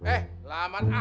eh laman aman sih